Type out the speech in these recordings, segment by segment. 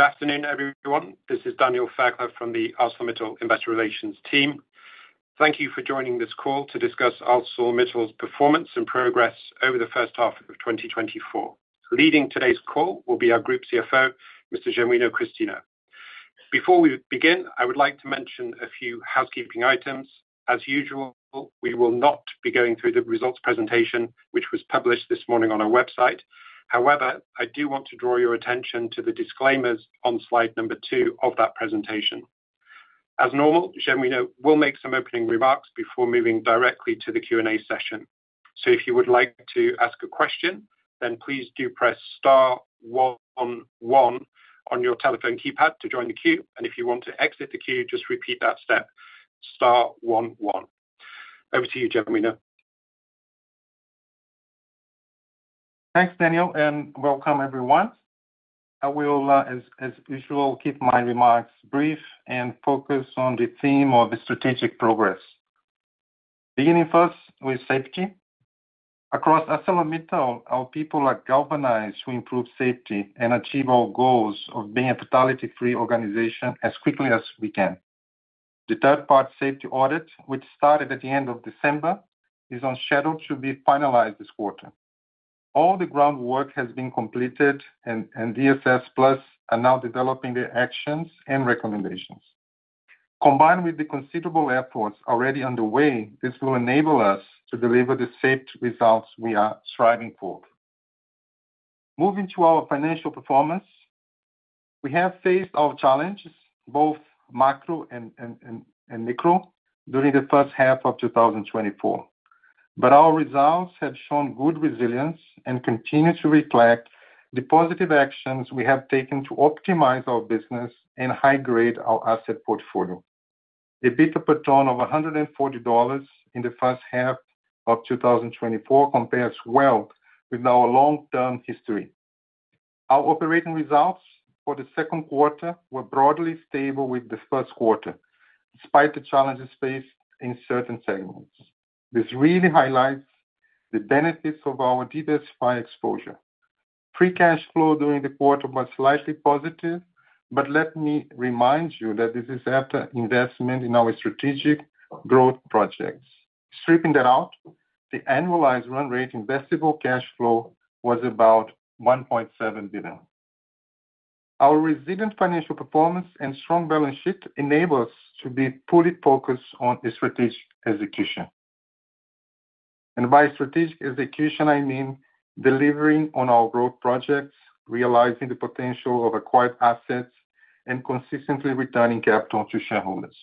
Good afternoon, everyone. This is Daniel Fairclough from the ArcelorMittal Investor Relations team. Thank you for joining this call to discuss ArcelorMittal's performance and progress over the first half of 2024. Leading today's call will be our group CFO, Mr. Genuino Christino. Before we begin, I would like to mention a few housekeeping items. As usual, we will not be going through the results presentation, which was published this morning on our website. However, I do want to draw your attention to the disclaimers on slide number two of that presentation. As normal, Genuino will make some opening remarks before moving directly to the Q&A session. So if you would like to ask a question, then please do press star one one on your telephone keypad to join the queue, and if you want to exit the queue, just repeat that step star one one. Over to you, Genuino. Thanks, Daniel, and welcome, everyone. I will, as usual, keep my remarks brief and focus on the theme of the strategic progress. Beginning first with safety. Across ArcelorMittal, our people are galvanized to improve safety and achieve our goals of being a fatality-free organization as quickly as we can. The third-party safety audit, which started at the end of December, is on schedule to be finalized this quarter. All the groundwork has been completed and dss+ are now developing the actions and recommendations. Combined with the considerable efforts already underway, this will enable us to deliver the safe results we are striving for. Moving to our financial performance, we have faced our challenges, both macro and micro, during the first half of 2024. Our results have shown good resilience and continue to reflect the positive actions we have taken to optimize our business and high grade our asset portfolio. EBITDA per ton of $140 in the first half of 2024 compares well with our long-term history. Our operating results for the second quarter were broadly stable with the first quarter, despite the challenges faced in certain segments. This really highlights the benefits of our diversified exposure. Free cash flow during the quarter was slightly positive but let me remind you that this is after investment in our strategic growth projects. Stripping that out, the annualized run rate investable cash flow was about $1.7 billion. Our resilient financial performance and strong balance sheet enable us to be fully focused on the strategic execution. By strategic execution, I mean delivering on our growth projects, realizing the potential of acquired assets, and consistently returning capital to shareholders.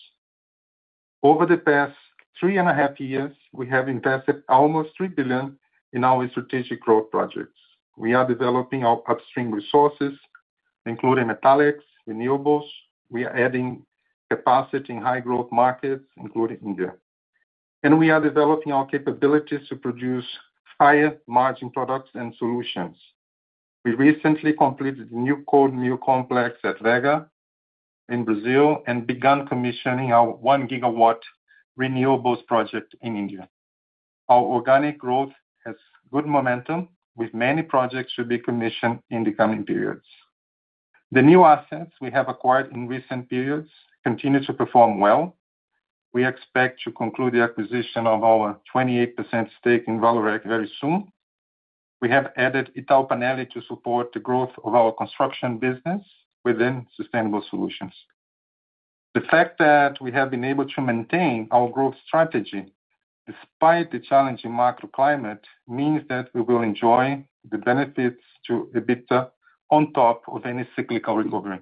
Over the past 3.5 years, we have invested almost $3 billion in our strategic growth projects. We are developing our upstream resources, including metallics, renewables. We are adding capacity in high-growth markets, including India. And we are developing our capabilities to produce higher margin products and solutions. We recently completed the new cold complex at Vega in Brazil and begun commissioning our 1 GW renewables project in India. Our organic growth has good momentum, with many projects to be commissioned in the coming periods. The new assets we have acquired in recent periods continue to perform well. We expect to conclude the acquisition of our 28% stake in Vallourec very soon. We have added Italpannelli to support the growth of our construction business within Sustainable Solutions. The fact that we have been able to maintain our growth strategy despite the challenging macro climate means that we will enjoy the benefits to EBITDA on top of any cyclical recovery.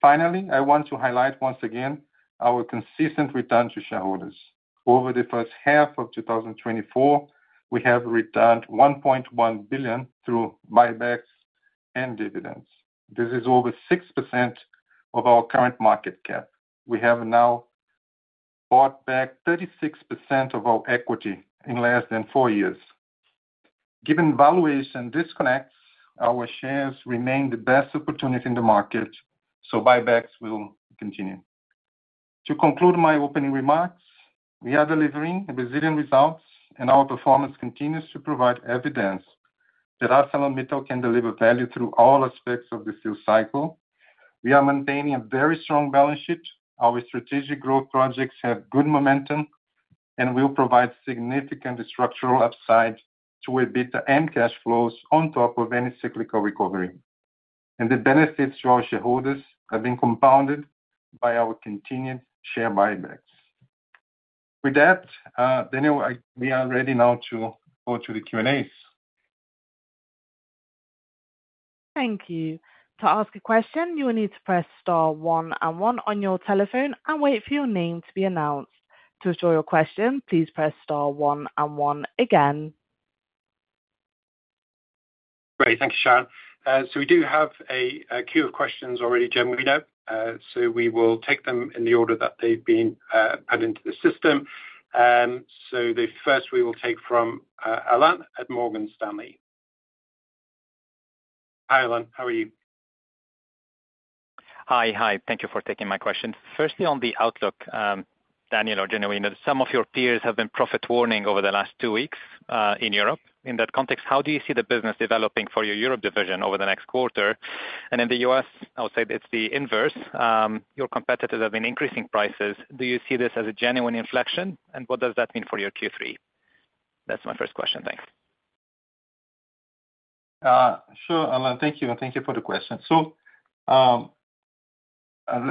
Finally, I want to highlight once again our consistent return to shareholders. Over the first half of 2024, we have returned $1.1 billion through buybacks and dividends. This is over 6% of our current market cap. We have now bought back 36% of our equity in less than four years. Given valuation disconnects, our shares remain the best opportunity in the market, so buybacks will continue. To conclude my opening remarks, we are delivering resilient results, and our performance continues to provide evidence that ArcelorMittal can deliver value through all aspects of the sales cycle. We are maintaining a very strong balance sheet. Our strategic growth projects have good momentum and will provide significant structural upside to EBITDA and cash flows on top of any cyclical recovery. And the benefits to our shareholders have been compounded by our continued share buybacks. With that, Daniel, we are ready now to go to the Q&As. Thank you. To ask a question, you will need to press star one and one on your telephone and wait for your name to be announced. To withdraw your question, please press star one and one again. Great. Thank you, Sharon. So, we do have a queue of questions already, Genuino. So we will take them in the order that they've been added into the system. So the first we will take from Alain at Morgan Stanley. Hi, Alain, how are you? Hi, hi. Thank you for taking my question. Firstly, on the outlook, Daniel, or Genuino, some of your peers have been profit warning over the last two weeks, in Europe. In that context, how do you see the business developing for your Europe division over the next quarter? And in the U.S., I would say it's the inverse. Your competitors have been increasing prices. Do you see this as a genuine inflection, and what does that mean for your Q3? That's my first question. Thanks. Sure, Alain. Thank you and thank you for the question. So,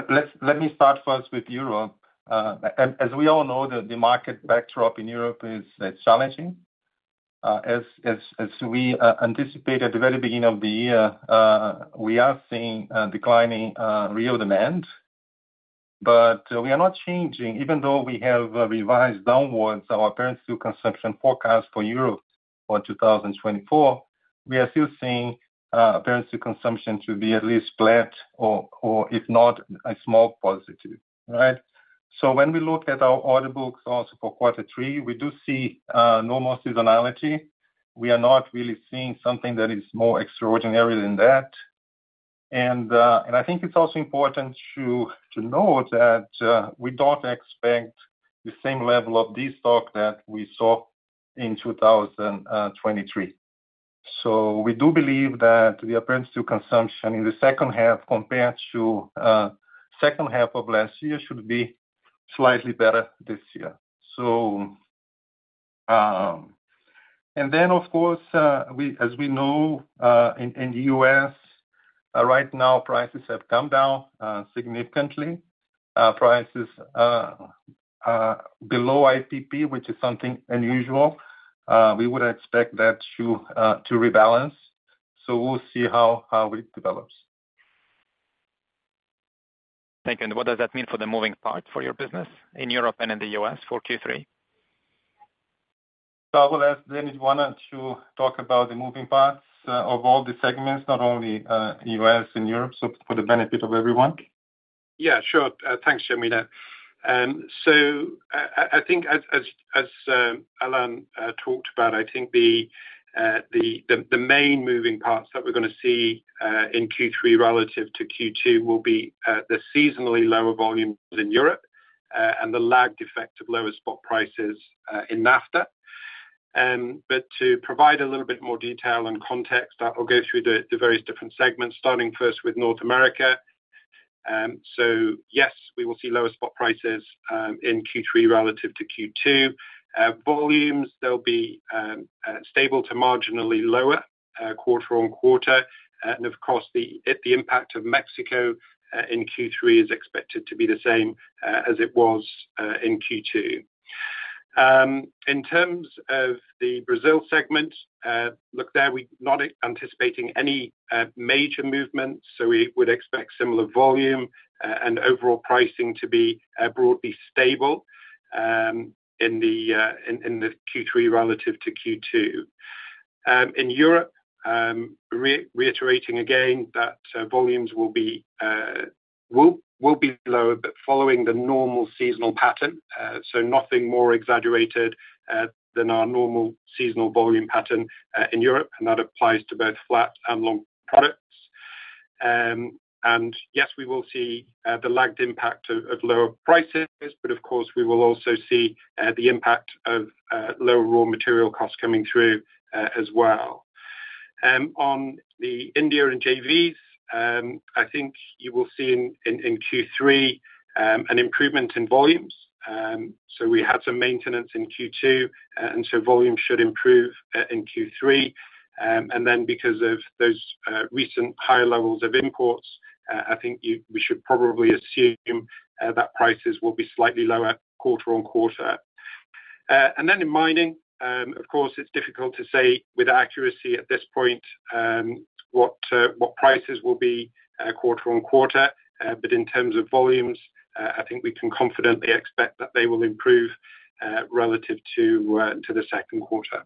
let's start first with Europe. As we all know, the market backdrop in Europe is challenging. As we anticipated at the very beginning of the year, we are seeing declining real demand, but we are not changing even though we have revised downwards our apparent steel consumption forecast for Europe for 2024. We are still seeing apparent steel consumption to be at least flat or, if not, a small positive. Right? So when we look at our order books also for quarter three, we do see normal seasonality. We are not really seeing something that is more extraordinary than that. I think it's also important to note that we don't expect the same level of destock that we saw in 2023. So we do believe that the apparent steel consumption in the second half, compared to second half of last year, should be slightly better this year. So. And then, of course, we, as we know, in the U.S., right now, prices have come down significantly. Prices below IPP, which is something unusual. We would expect that to rebalance, so we'll see how it develops. Thank you. What does that mean for the moving part for your business in Europe and in the U.S. for Q3? I will ask Daniel, why don't you talk about the moving parts of all the segments, not only U.S. and Europe, so for the benefit of everyone. Yeah, sure. Thanks, Genuino. So I think as Alain talked about, I think the main moving parts that we're gonna see in Q3 relative to Q2 will be the seasonally lower volumes in Europe and the lagged effect of lower spot prices in NAFTA. But to provide a little bit more detail and context, I will go through the various different segments, starting first with North America. So yes, we will see lower spot prices in Q3 relative to Q2. Volumes, they'll be stable to marginally lower quarter on quarter. And of course, the impact of Mexico in Q3 is expected to be the same as it was in Q2. In terms of the Brazil segment, look, there, we're not anticipating any major movements, so we would expect similar volume and overall pricing to be broadly stable in Q3 relative to Q2. In Europe, reiterating again, that volumes will be low, but following the normal seasonal pattern. So nothing more exaggerated than our normal seasonal volume pattern in Europe, and that applies to both flat and long products. And yes, we will see the lagged impact of lower prices, but of course, we will also see the impact of lower raw material costs coming through as well. On the India and JVs, I think you will see in Q3 an improvement in volumes. So we had some maintenance in Q2, and so volumes should improve in Q3. And then because of those recent higher levels of imports, I think you- we should probably assume that prices will be slightly lower quarter on quarter. And then in mining, of course, it's difficult to say with accuracy at this point, what, what prices will be quarter on quarter. But in terms of volumes, I think we can confidently expect that they will improve relative to to the second quarter.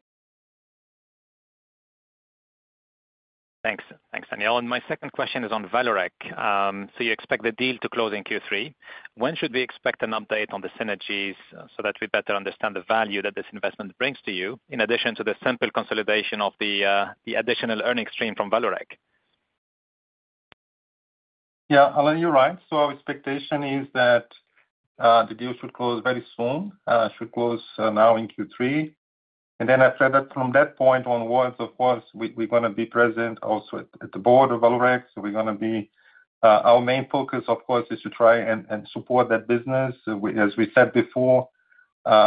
Thanks. Thanks, Daniel. My second question is on Vallourec. You expect the deal to close in Q3. When should we expect an update on the synergies, so that we better understand the value that this investment brings to you, in addition to the simple consolidation of the additional earning stream from Vallourec? Yeah, Alain, you're right. So our expectation is that the deal should close very soon, should close now in Q3. And then after that, from that point onwards, of course, we, we're gonna be present also at the board of Vallourec, so we're gonna be... Our main focus, of course, is to try and support that business. As we said before,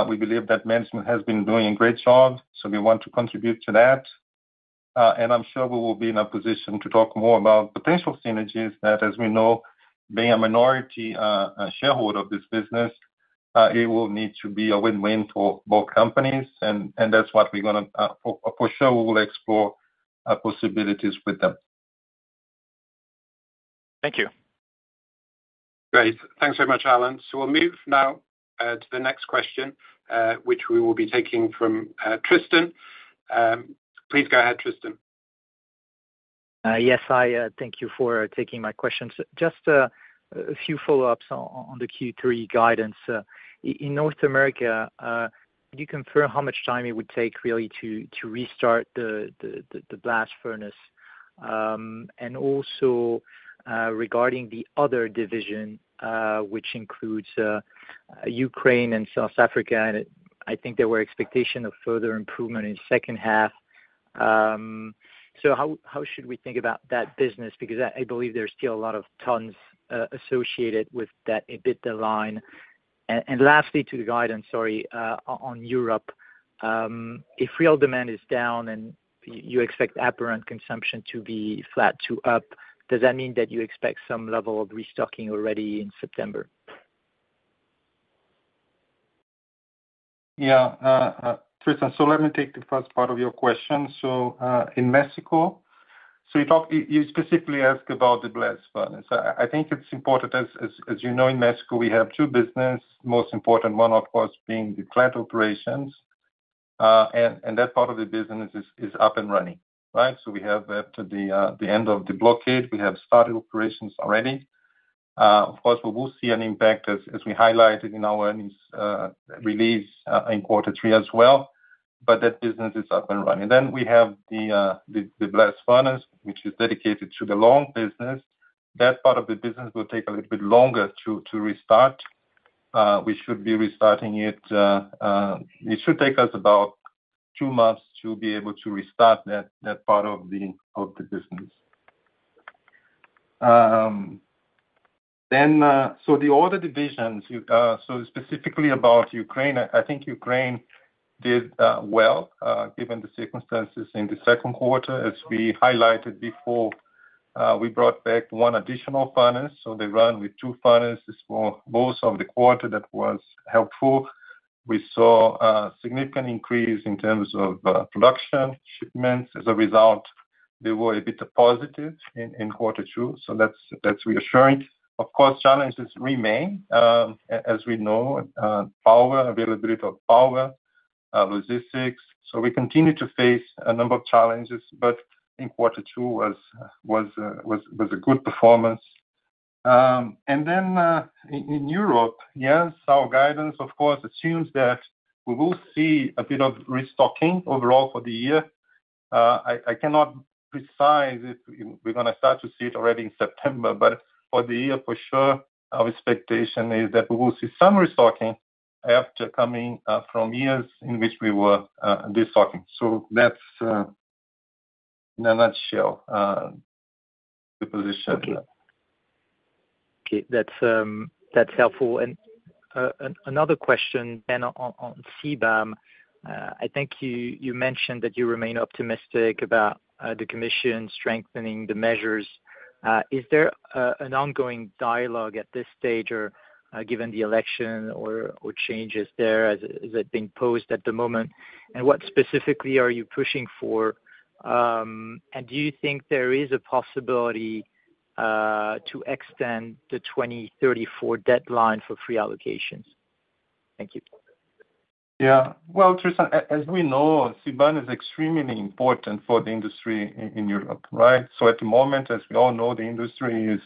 we believe that management has been doing a great job, so we want to contribute to that. And I'm sure we will be in a position to talk more about potential synergies that, as we know, being a minority shareholder of this business, it will need to be a win-win for both companies, and that's what we're gonna, for sure, we will explore possibilities with them. Thank you. Great. Thanks very much, Alain. So we'll move now to the next question, which we will be taking from Tristan. Please go ahead, Tristan. Yes, hi. Thank you for taking my questions. Just a few follow-ups on the Q3 guidance. In North America, can you confirm how much time it would take really to restart the blast furnace? And also, regarding the other division, which includes Ukraine and South Africa, and I think there were expectation of further improvement in second half. So how should we think about that business? Because I believe there's still a lot of tons associated with that EBITDA line. And lastly, to the guidance, sorry, on Europe. If real demand is down and you expect apparent consumption to be flat to up, does that mean that you expect some level of restocking already in September? Yeah. Tristan, so let me take the first part of your question. So, in Mexico, so you talk-- you specifically ask about the blast furnace. I think it's important, as you know, in Mexico, we have two business, most important one of course being the plant operations. And that part of the business is up and running, right? So we have after the end of the blockade, we have started operations already. Of course, we will see an impact as we highlighted in our earnings release in quarter three as well, but that business is up and running. Then we have the blast furnace, which is dedicated to the long business. That part of the business will take a little bit longer to restart. We should be restarting it. It should take us about two months to be able to restart that part of the business. Then, so the other divisions, so specifically about Ukraine, I think Ukraine did well, given the circumstances in the second quarter. As we highlighted before, we brought back one additional furnace, so they run with two furnaces for most of the quarter. That was helpful. We saw a significant increase in terms of production shipments. As a result, they were a bit positive in quarter two, so that's reassuring. Of course, challenges remain. As we know, power, availability of power, logistics, so we continue to face a number of challenges, but in quarter two was a good performance. And then in Europe, yes, our guidance, of course, assumes that we will see a bit of restocking overall for the year. I cannot predict if we're gonna start to see it already in September, but for the year, for sure, our expectation is that we will see some restocking after coming from years in which we were de-stocking. So that's, in a nutshell, the position. Okay. Okay, that's, that's helpful. And, another question then on CBAM. I think you mentioned that you remain optimistic about the Commission strengthening the measures. Is there an ongoing dialogue at this stage or, given the election or changes there, is that being posed at the moment? And what specifically are you pushing for? And do you think there is a possibility to extend the 2034 deadline for free allocations? Thank you. Yeah. Well, Tristan, as we know, CBAM is extremely important for the industry in Europe, right? So at the moment, as we all know, the industry is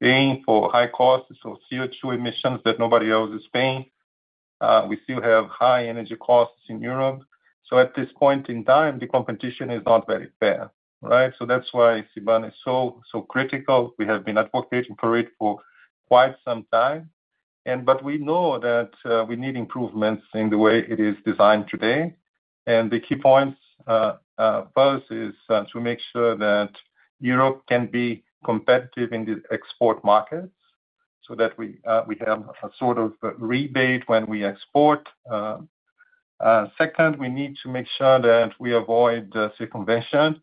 paying for high costs of CO2 emissions that nobody else is paying. We still have high energy costs in Europe. So at this point in time, the competition is not very fair, right? So that's why CBAM is so, so critical. We have been advocating for it for quite some time. But we know that we need improvements in the way it is designed today. And the key points, first, is to make sure that Europe can be competitive in the export markets, so that we have a sort of rebate when we export. Second, we need to make sure that we avoid the circumvention,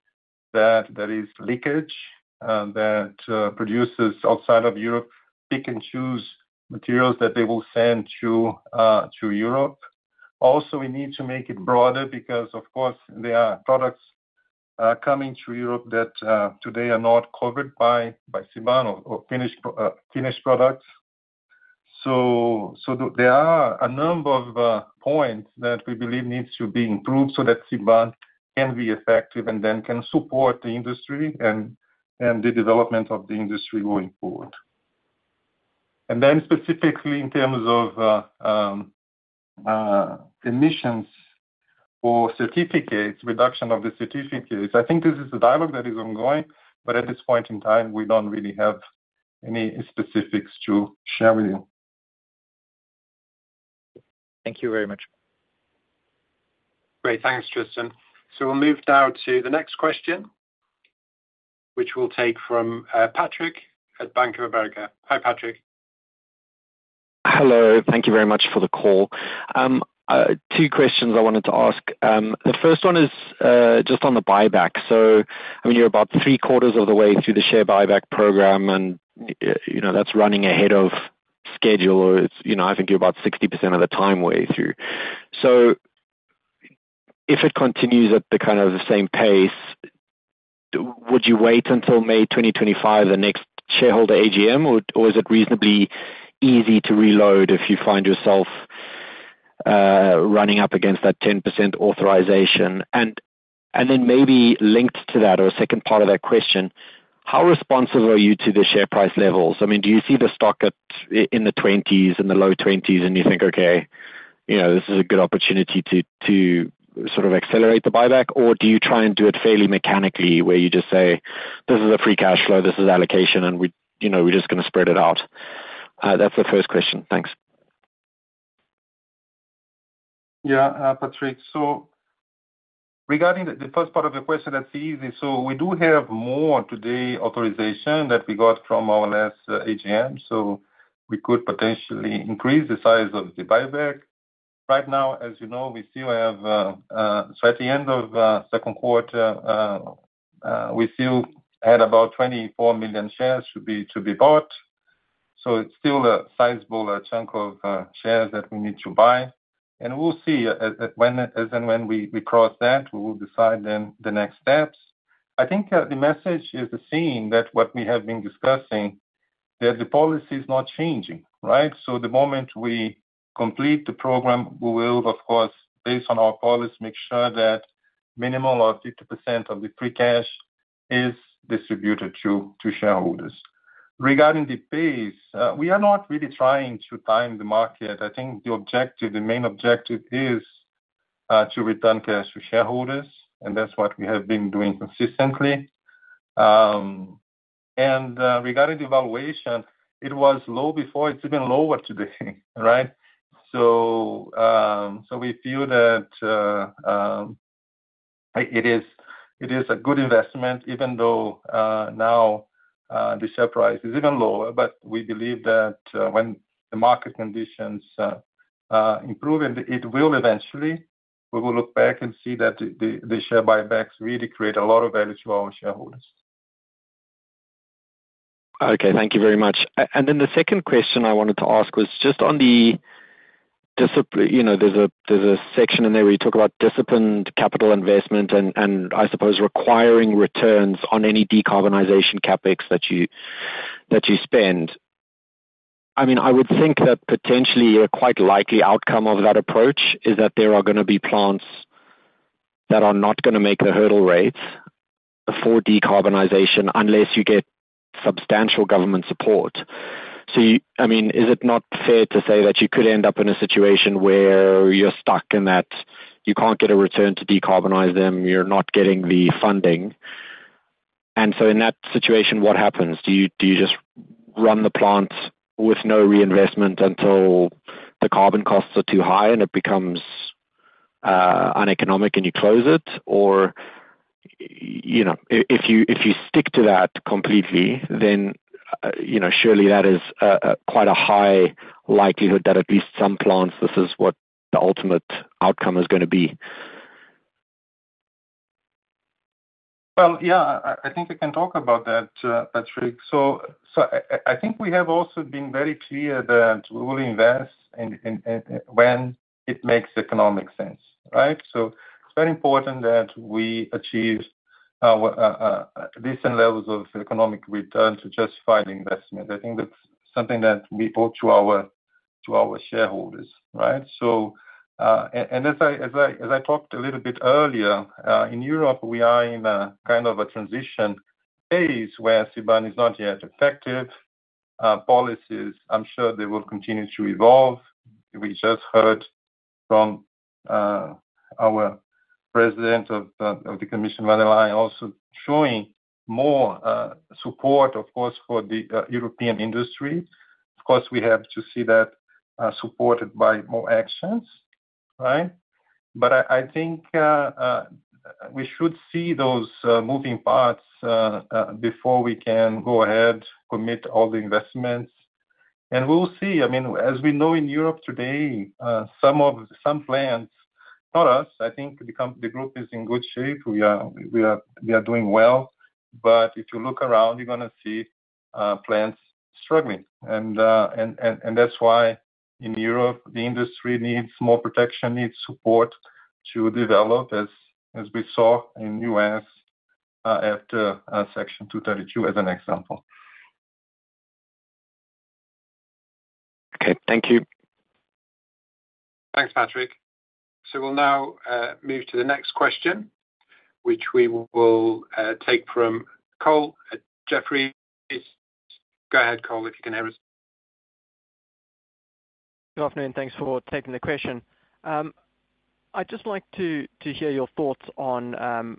that there is leakage, that producers outside of Europe pick and choose materials that they will send to Europe. Also, we need to make it broader, because, of course, there are products coming to Europe that today are not covered by CBAM or finished products. So, there are a number of points that we believe needs to be improved so that CBAM can be effective and then can support the industry and the development of the industry going forward. And then specifically in terms of emissions or certificates, reduction of the certificates, I think this is a dialogue that is ongoing, but at this point in time, we don't really have any specifics to share with you. Thank you very much. Great. Thanks, Tristan. So we'll move now to the next question, which we'll take from Patrick at Bank of America. Hi, Patrick. Hello. Thank you very much for the call. Two questions I wanted to ask. The first one is just on the buyback. So, I mean, you're about three quarters of the way through the share buyback program, and, you know, that's running ahead of schedule, or it's, you know, I think you're about 60% of the time way through. So if it continues at the kind of the same pace, would you wait until May 2025, the next shareholder AGM, or, or is it reasonably easy to reload if you find yourself running up against that 10% authorization? And, and then maybe linked to that or second part of that question- How responsive are you to the share price levels? I mean, do you see the stock at in the 20s, in the low 20s, and you think, okay, you know, this is a good opportunity to, to sort of accelerate the buyback? Or do you try and do it fairly mechanically, where you just say, "This is a free cash flow, this is allocation, and we, you know, we're just gonna spread it out." That's the first question. Thanks. Yeah, Patrick, so regarding the first part of the question, that's easy. So we do have more today authorization that we got from our last AGM, so we could potentially increase the size of the buyback. Right now, as you know, we still have... So at the end of second quarter, we still had about 24 million shares to be bought, so it's still a sizable chunk of shares that we need to buy. And we'll see, as and when we cross that, we will decide then the next steps. I think the message is the same, that what we have been discussing, that the policy is not changing, right? So the moment we complete the program, we will, of course, based on our policy, make sure that minimum of 50% of the free cash is distributed to shareholders. Regarding the pace, we are not really trying to time the market. I think the objective, the main objective is to return cash to shareholders, and that's what we have been doing consistently. And regarding the valuation, it was low before, it's even lower today, right? So we feel that it is a good investment, even though now the share price is even lower. But we believe that when the market conditions improve, and it will eventually, we will look back and see that the share buybacks really create a lot of value to our shareholders. Okay, thank you very much. And then the second question I wanted to ask was just on the disciplined – you know, there's a section in there where you talk about disciplined capital investment and I suppose requiring returns on any decarbonization CapEx that you spend. I mean, I would think that potentially a quite likely outcome of that approach is that there are gonna be plants that are not gonna make the hurdle rates for decarbonization, unless you get substantial government support. So, I mean, is it not fair to say that you could end up in a situation where you're stuck in that you can't get a return to decarbonize them, you're not getting the funding? And so in that situation, what happens? Do you, do you just run the plants with no reinvestment until the carbon costs are too high and it becomes uneconomic, and you close it? Or, you know, if you, if you stick to that completely, then, you know, surely that is quite a high likelihood that at least some plants, this is what the ultimate outcome is gonna be. Well, yeah, I think we can talk about that, Patrick. So, I think we have also been very clear that we will invest in, when it makes economic sense, right? So it's very important that we achieve our decent levels of economic return to justify the investment. I think that's something that we owe to our shareholders, right? So, and as I talked a little bit earlier, in Europe, we are in a kind of a transition phase where CBAM is not yet effective. Policies, I'm sure they will continue to evolve. We just heard from our President of the Commission, von der Leyen, also showing more support, of course, for the European industry. Of course, we have to see that, supported by more actions, right? But I think we should see those moving parts before we can go ahead, commit all the investments, and we'll see. I mean, as we know in Europe today, some plants, not us, I think the company, the group is in good shape. We are doing well. But if you look around, you're gonna see plants struggling. And that's why in Europe, the industry needs more protection, needs support to develop, as we saw in the U.S., after Section 232, as an example. Okay. Thank you. Thanks, Patrick. So we'll now move to the next question, which we will take from Cole at Jefferies. Go ahead, Cole, if you can hear us. Good afternoon, thanks for taking the question. I'd just like to hear your thoughts on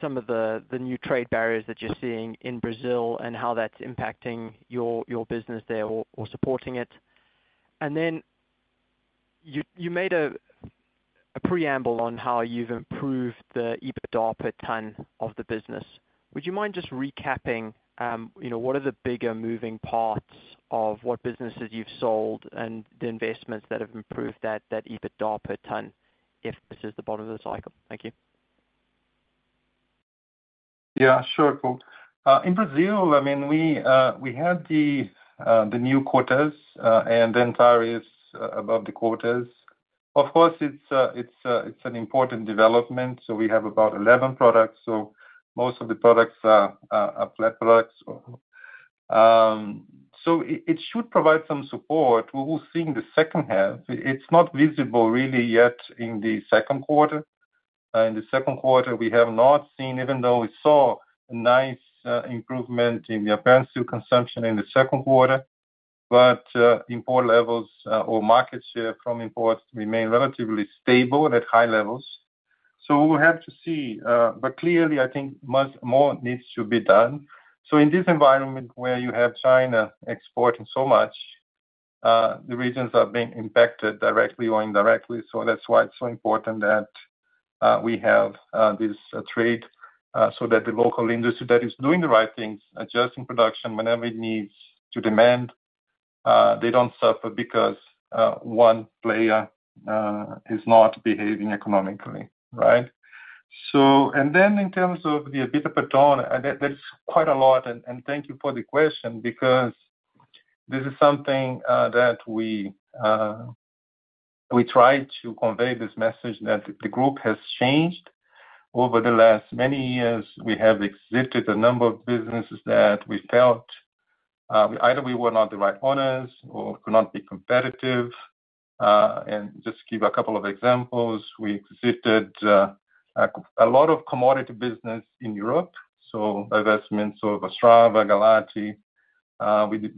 some of the new trade barriers that you're seeing in Brazil, and how that's impacting your business there or supporting it. And then you made a preamble on how you've improved the EBITDA per ton of the business. Would you mind just recapping, you know, what are the bigger moving parts of what businesses you've sold and the investments that have improved that EBITDA per ton, if this is the bottom of the cycle? Thank you. Yeah, sure, Cole. In Brazil, I mean, we had the new quotas, and the entry is above the quotas. Of course, it's an important development. So we have about 11 products, so most of the products are flat products. So it should provide some support. We will see in the second half. It's not visible really yet in the second quarter. In the second quarter, we have not seen, even though we saw a nice improvement in the apparent steel consumption in the second quarter. But import levels or market share from imports remain relatively stable and at high levels. So we'll have to see. But clearly, I think much more needs to be done. So in this environment where you have China exporting so much, the regions are being impacted directly or indirectly, so that's why it's so important that we have this trade so that the local industry that is doing the right things, adjusting production whenever it needs to demand, they don't suffer because one player is not behaving economically, right? So and then in terms of the EBITDA per ton, and that's quite a lot, and thank you for the question because this is something that we try to convey this message that the group has changed. Over the last many years, we have exited a number of businesses that we felt either we were not the right owners or could not be competitive. And just to give a couple of examples, we exited a lot of commodity business in Europe, so investments, so Ostrava, Galati.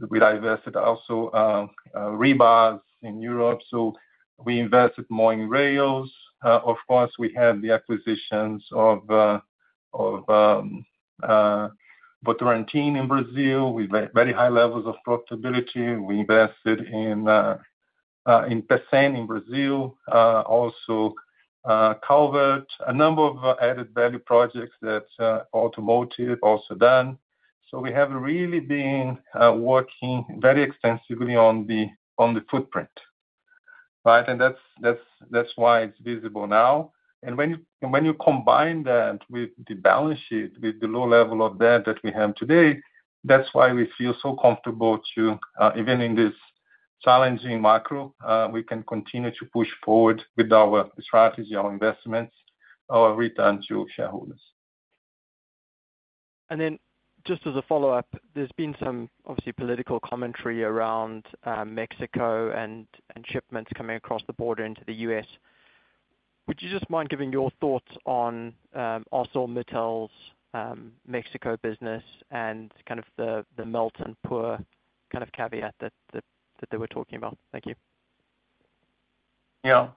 We divested also rebars in Europe, so we invested more in rails. Of course, we had the acquisitions of Votorantim in Brazil with very, very high levels of profitability. We invested in Pecém in Brazil, also Calvert. A number of added value projects that automotive, also done. So we have really been working very extensively on the footprint, right? And that's why it's visible now. When you combine that with the balance sheet, with the low level of debt that we have today, that's why we feel so comfortable to even in this challenging macro, we can continue to push forward with our strategy, our investments, our return to shareholders. Then just as a follow-up, there's been some obviously political commentary around Mexico and shipments coming across the border into the U.S. Would you just mind giving your thoughts on ArcelorMittal's Mexico business and kind of the melt and pour kind of caveat that they were talking about? Thank you. Yeah.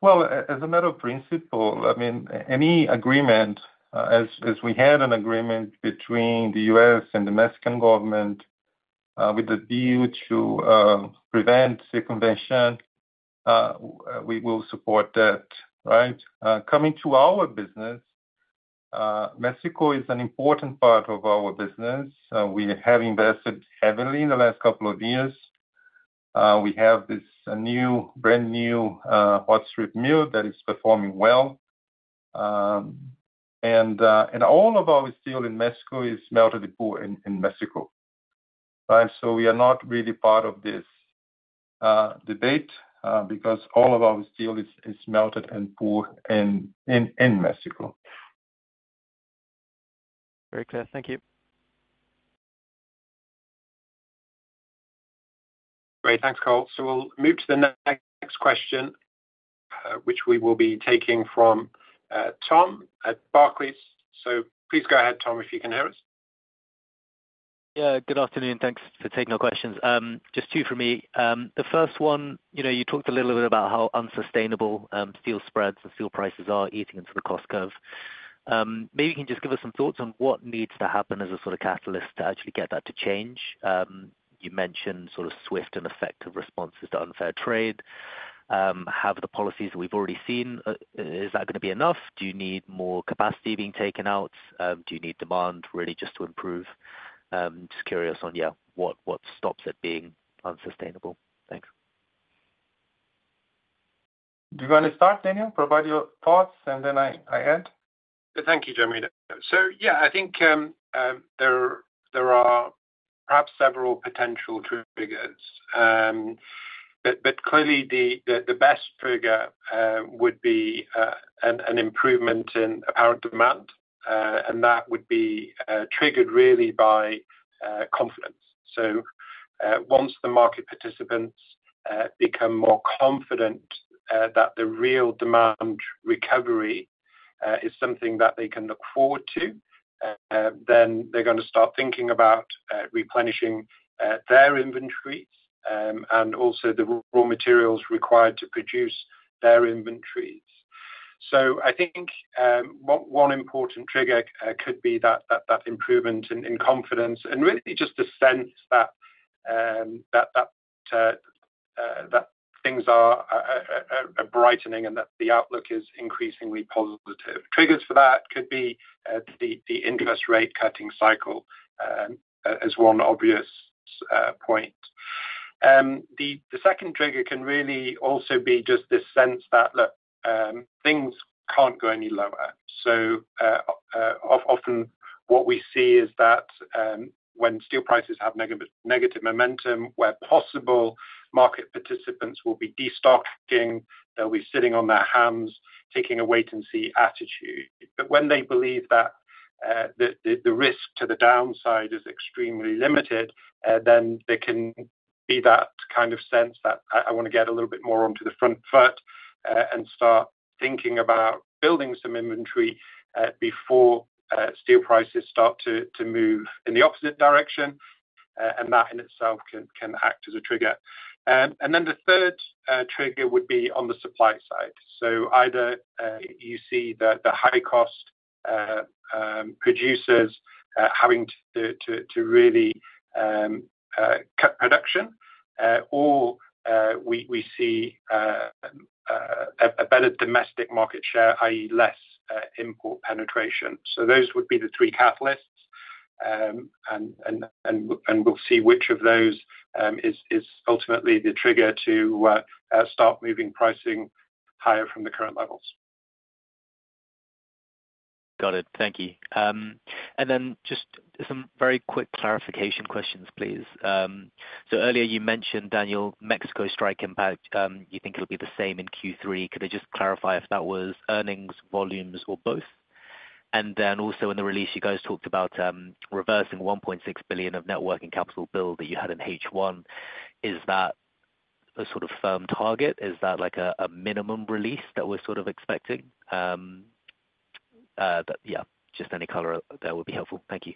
Well, as a matter of principle, I mean, any agreement, as we had an agreement between the U.S. and the Mexican government, with the deal to prevent circumvention, we will support that, right? Coming to our business, Mexico is an important part of our business. We have invested heavily in the last couple of years. We have this, a new, brand new, hot strip mill that is performing well. And all of our steel in Mexico is melted and poured in Mexico, right? So we are not really part of this debate, because all of our steel is melted and poured in Mexico. Very clear. Thank you. Great. Thanks, Cole. We'll move to the next question, which we will be taking from Tom at Barclays. Please go ahead, Tom, if you can hear us. Yeah, good afternoon, thanks for taking our questions. Just two for me. The first one, you know, you talked a little bit about how unsustainable, steel spreads and steel prices are eating into the cost curve. Maybe you can just give us some thoughts on what needs to happen as a sort of catalyst to actually get that to change. You mentioned sort of swift and effective responses to unfair trade. Have the policies we've already seen, is that gonna be enough? Do you need more capacity being taken out? Do you need demand really just to improve? Just curious on, yeah, what, what stops it being unsustainable? Thanks. Do you want to start, Daniel? Provide your thoughts, and then I add. Thank you, Genuino. So yeah, I think there are perhaps several potential triggers. But clearly the best trigger would be an improvement in apparent demand, and that would be triggered really by confidence. So once the market participants become more confident that the real demand recovery is something that they can look forward to, then they're gonna start thinking about replenishing their inventories and also the raw materials required to produce their inventories. So I think one important trigger could be that improvement in confidence, and really just a sense that things are brightening and that the outlook is increasingly positive. Triggers for that could be the interest rate cutting cycle, as one obvious point. The second trigger can really also be just this sense that, look, things can't go any lower. So, often what we see is that, when steel prices have negative momentum where possible, market participants will be destocking, they'll be sitting on their hands, taking a wait and see attitude. But when they believe that the risk to the downside is extremely limited, then there can be that kind of sense that I wanna get a little bit more onto the front foot, and start thinking about building some inventory, before steel prices start to move in the opposite direction. And that in itself can act as a trigger. And then the third trigger would be on the supply side. So either you see the high cost producers having to really cut production, or we see a better domestic market share, i.e., less import penetration. So those would be the three catalysts. And we'll see which of those is ultimately the trigger to start moving pricing higher from the current levels. Got it. Thank you. And then just some very quick clarification questions, please. So earlier you mentioned, Daniel, Mexico strike impact, you think it'll be the same in Q3. Could I just clarify if that was earnings, volumes, or both? And then also in the release, you guys talked about reversing $1.6 billion of net working capital build that you had in H1. Is that a sort of firm target? Is that like a minimum release that we're sort of expecting? But yeah, just any color there will be helpful. Thank you.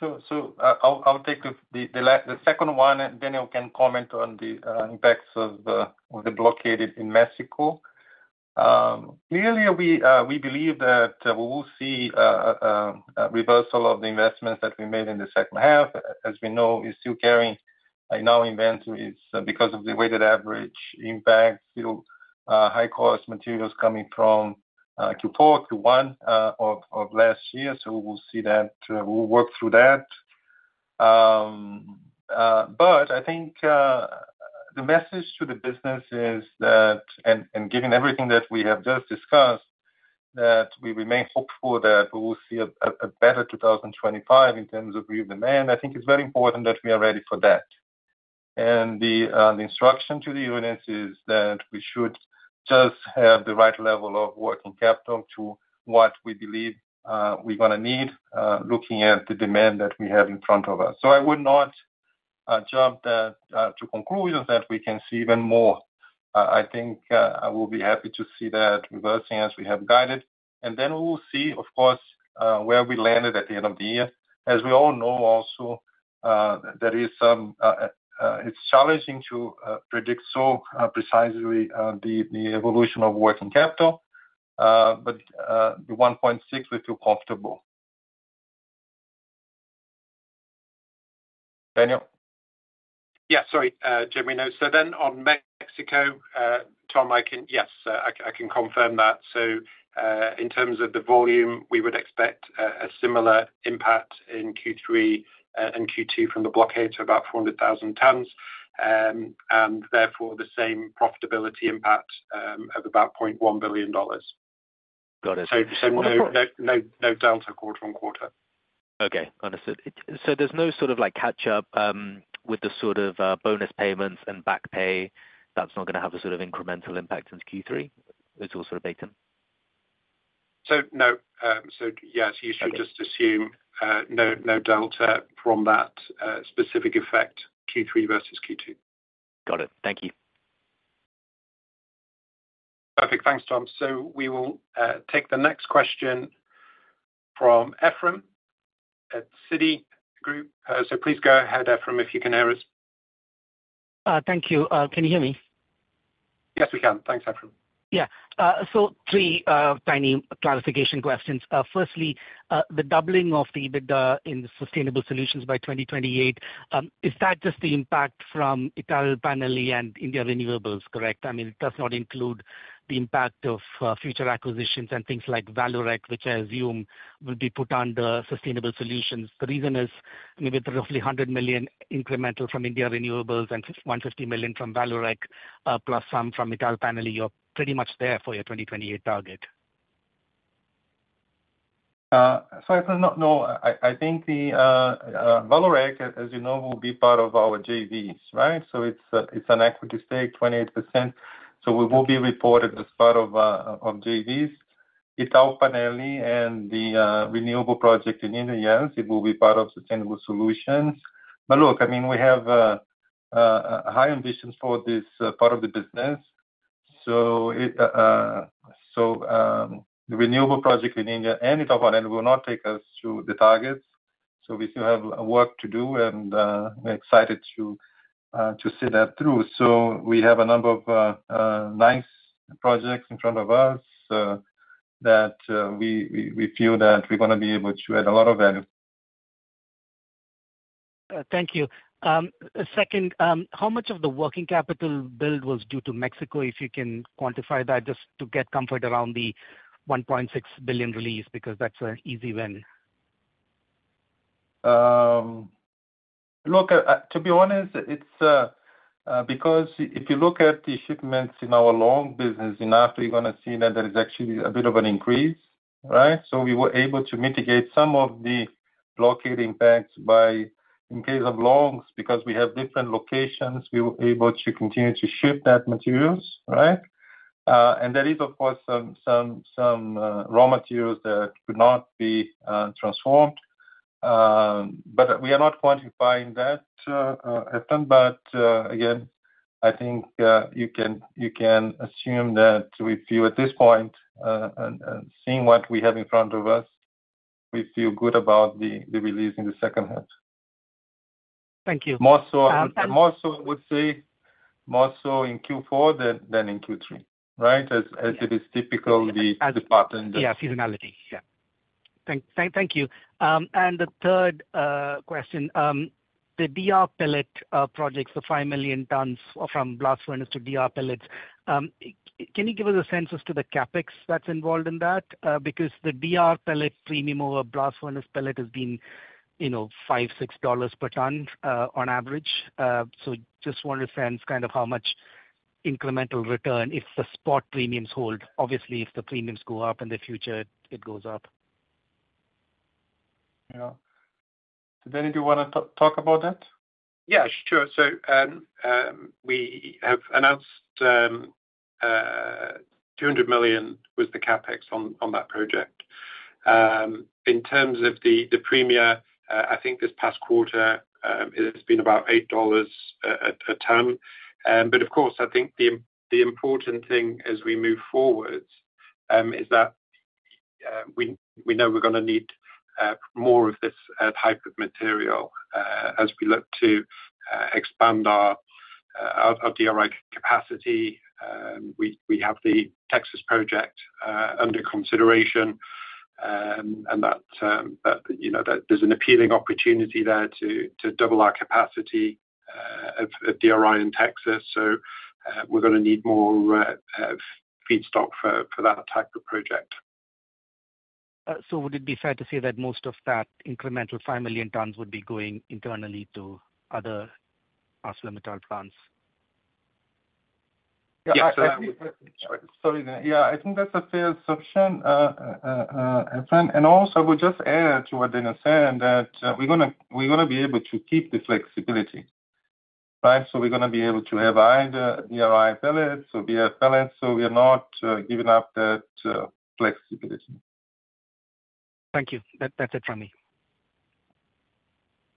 So, I'll take the second one, and Daniel can comment on the impacts of the blockade in Mexico. Clearly, we believe that we will see a reversal of the investments that we made in the second half. As we know, we're still carrying a low inventory; it's because of the weighted average impact, still, high cost materials coming from Q4, Q1, of last year. So we will see that; we'll work through that. But I think the message to the business is that... and given everything that we have just discussed, that we remain hopeful that we will see a better 2025 in terms of real demand. I think it's very important that we are ready for that. The instruction to the units is that we should just have the right level of working capital to what we believe we're gonna need, looking at the demand that we have in front of us. So I would not jump to conclusions that we can see even more. I think I will be happy to see that reversing as we have guided, and then we will see, of course, where we landed at the end of the year. As we all know also, it's challenging to predict so precisely the evolution of working capital, but the $1.6, we feel comfortable. Daniel? Yeah, sorry, Jimmy, no. So then on Mexico, Tom, I can... Yes, I can confirm that. So, in terms of the volume, we would expect a similar impact in Q3 and Q2 from the blockade to about 400,000 tons. And therefore, the same profitability impact of about $0.1 billion. Got it. So, no delta quarter-over-quarter. Okay, understood. So there's no sort of like catch up, with the sort of, bonus payments and back pay, that's not gonna have a sort of incremental impact since Q3? It's all sort of baked in. So, no, so yes- Okay. You should just assume, no, no delta from that specific effect, Q3 versus Q2. Got it. Thank you. Perfect. Thanks, Tom. So we will take the next question from Ephrem at Citi. So please go ahead, Ephrem, if you can hear us. Thank you. Can you hear me? Yes, we can. Thanks, Ephrem. Yeah. So three tiny clarification questions. Firstly, the doubling of the EBITDA in the Sustainable Solutions by 2028, is that just the impact from Italpannelli and India Renewables, correct? I mean, it does not include the impact of future acquisitions and things like Vallourec, which I assume will be put under Sustainable Solutions. The reason is maybe the roughly $100 million incremental from India Renewables and $150 million from Vallourec, plus some from Italpannelli, you're pretty much there for your 2028 target. So it's not. No, I think the Vallourec, as you know, will be part of our JVs, right? So it's an equity stake, 28%, so we will be reported as part of JVs. Italpannelli and the renewable project in India, yes, it will be part of Sustainable Solutions. But look, I mean, we have high ambitions for this part of the business. So the renewable project in India and Italpannelli will not take us to the targets, so we still have work to do, and we're excited to see that through. So we have a number of nice projects in front of us that we feel that we're gonna be able to add a lot of value. Thank you. Second, how much of the working capital build was due to Mexico, if you can quantify that, just to get comfort around the $1.6 billion release, because that's an easy win? Look, to be honest, it's because if you look at the shipments in our long business in Africa, you're gonna see that there is actually a bit of an increase, right? So we were able to mitigate some of the blockading impacts by, in case of longs, because we have different locations, we were able to continue to ship that materials, right? And there is, of course, some raw materials that could not be transformed. But we are not quantifying that, Ephrem. But, again, I think you can assume that we feel at this point, and seeing what we have in front of us, we feel good about the release in the second half. Thank you. More so, more so I would say, more so in Q4 than in Q3, right? As it is typical, the pattern that- Yeah, seasonality. Yeah. Thank you. And the third question. The DR pellet project, the 5 million tons from blast furnace to DR pellets. Can you give us a sense as to the CapEx that's involved in that? Because the DR pellet premium over blast furnace pellet has been, you know, $5-$6 per ton, on average. So just want a sense kind of how much incremental return, if the spot premiums hold. Obviously, if the premiums go up in the future, it goes up. Yeah. Daniel, do you wanna talk about that? Yeah, sure. So, we have announced $200 million with the CapEx on that project. In terms of the premium, I think this past quarter, it has been about $8 a ton. But of course, I think the important thing as we move forward is that we know we're gonna need more of this type of material as we look to expand our DRI capacity. We have the Texas project under consideration, and that, you know, that there's an appealing opportunity there to double our capacity of DRI in Texas. So, we're gonna need more feedstock for that type of project. So, would it be fair to say that most of that incremental 5 million tons would be going internally to other ArcelorMittal plants? Yeah, so. Sorry. Yeah, I think that's a fair assumption, Ephrem. And also, I would just add to what Daniel said, that we're gonna, we're gonna be able to keep the flexibility, right? So we're gonna be able to have either DRI pellets or DR Pellets, so we are not giving up that flexibility. Thank you. That's it from me.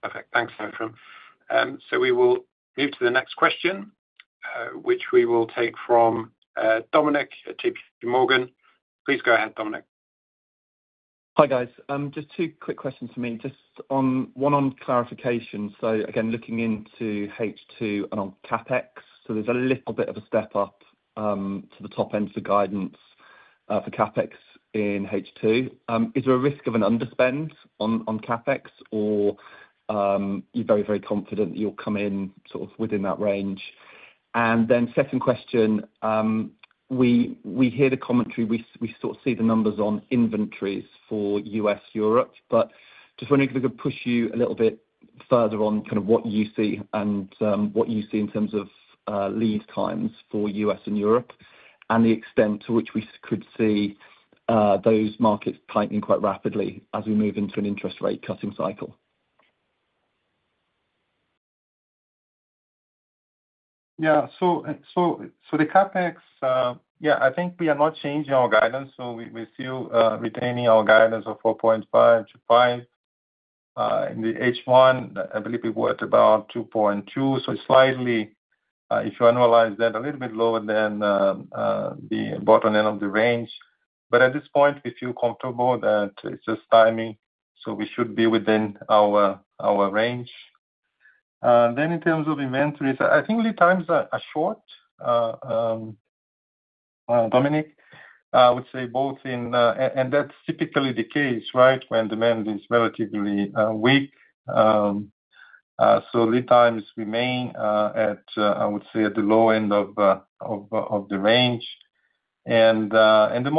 Perfect. Thanks, Ephrem. So we will move to the next question, which we will take from Dominic at JPMorgan. Please go ahead, Dominic. Hi, guys. Just two quick questions for me, just on... one on clarification. So again, looking into H2 and on CapEx. So there's a little bit of a step up to the top end of the guidance for CapEx in H2. Is there a risk of an underspend on CapEx? Or, you're very, very confident you'll come in sort of within that range? And then second question, we hear the commentary, we sort of see the numbers on inventories for U.S., Europe, but just wondering if we could push you a little bit further on kind of what you see and what you see in terms of lead times for U.S. and Europe, and the extent to which we could see those markets tightening quite rapidly as we move into an interest rate cutting cycle. Yeah. So the CapEx, yeah, I think we are not changing our guidance, so we still retaining our guidance of $4.5-$5. In the H1, I believe we were at about $2.2, so slightly, if you annualize that, a little bit lower than the bottom end of the range. But at this point, we feel comfortable that it's just timing, so we should be within our range. Then in terms of inventories, I think lead times are short, Dominic. I would say both in... And that's typically the case, right? When demand is relatively weak. So lead times remain at the low end of the range. And the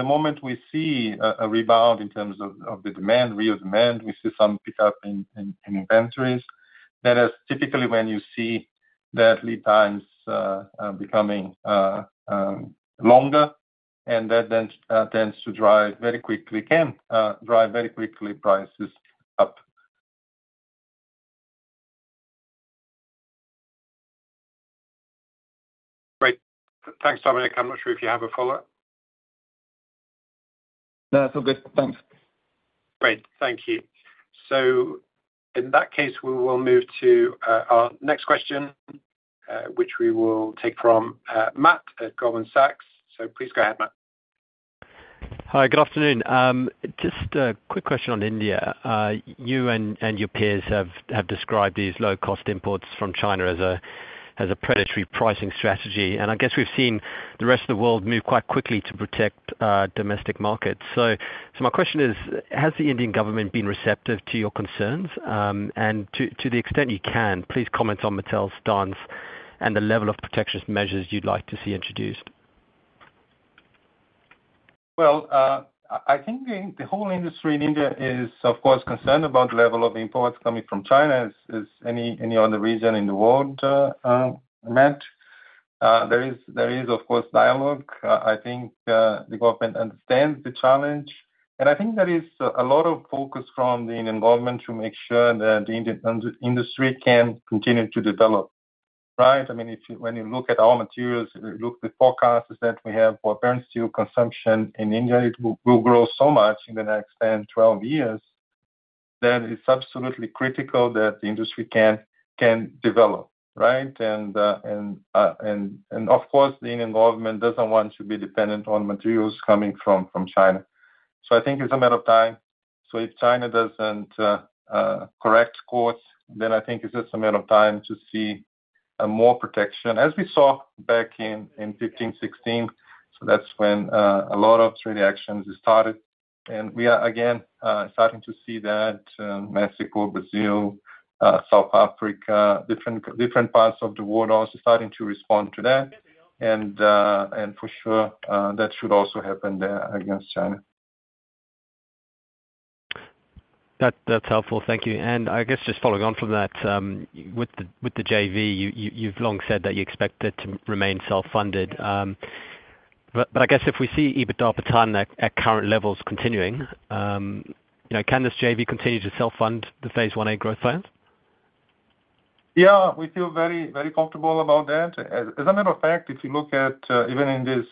moment we see a rebound in terms of the demand, real demand, we see some pickup in inventories. That is typically when you see the lead times becoming longer, and that then tends to drive very quickly, can drive very quickly prices up. Great. Thanks, Dominic. I'm not sure if you have a follow-up? No, it's all good. Thanks. Great. Thank you. So in that case, we will move to our next question, which we will take from Matt at Goldman Sachs. So please go ahead, Matt. Hi, good afternoon. Just a quick question on India. You and your peers have described these low-cost imports from China as a predatory pricing strategy. And I guess we've seen the rest of the world move quite quickly to protect domestic markets. So my question is, has the Indian government been receptive to your concerns? And to the extent you can, please comment on Mittal's stance and the level of protectionist measures you'd like to see introduced. Well, I think the whole industry in India is, of course, concerned about the level of imports coming from China, as any other region in the world, Matt. There is, of course, dialogue. I think the government understands the challenge, and I think there is a lot of focus from the Indian government to make sure that the Indian industry can continue to develop, right? I mean, when you look at our materials, look the forecasts that we have for apparent steel consumption in India, it will grow so much in the next 10, 12 years, that it's absolutely critical that the industry can develop, right? And, of course, the Indian government doesn't want to be dependent on materials coming from China. I think it's a matter of time. So if China doesn't correct course, then I think it's just a matter of time to see more protection, as we saw back in 2015, 2016. So that's when a lot of trade actions started. And we are again starting to see that, Mexico, Brazil, South Africa, different, different parts of the world also starting to respond to that. And, and for sure, that should also happen there against China. That, that's helpful. Thank you. And I guess just following on from that, with the JV, you, you've long said that you expect it to remain self-funded. But I guess if we see EBITDA per ton at current levels continuing, you know, can this JV continue to self-fund the Phase 1A growth plans? Yeah, we feel very, very comfortable about that. As a matter of fact, if you look at even in this